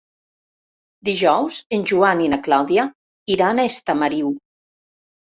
Dijous en Joan i na Clàudia iran a Estamariu.